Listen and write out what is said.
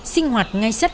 sinh hoạt ngay sách